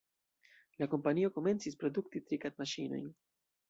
La kompanio komencis produkti trikad-maŝinojn.